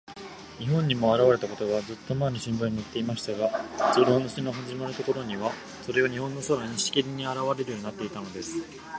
日本にもあらわれたことが、ずっとまえの新聞にのっていましたが、そのお話のはじまるころには、それが日本の空に、しきりにあらわれるようになったのです。